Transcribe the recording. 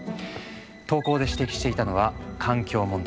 投稿で指摘していたのは環境問題。